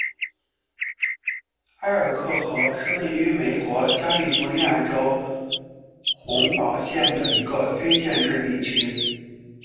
埃尔克河是位于美国加利福尼亚州洪堡县的一个非建制地区。